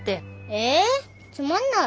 えつまんない。